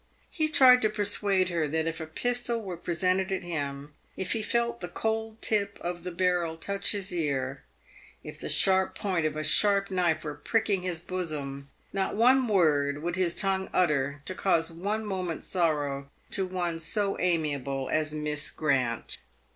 He tried to persuade her that if a pistol were presented at him ; if he felt the cold tip of the barrel touch his ear j if the sharp point of a sharp knife were pricking his bosom, not one word would his tongue utter to cause one moment's sorrow to one so amiable as Miss Grant.